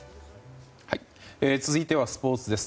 続いてはスポーツです。